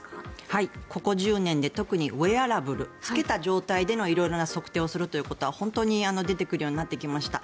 はい、ここ１０年で特にウェアラブル着けた状態での色々な測定をするということは本当に出てくるようになってきました。